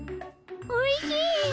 おいしい！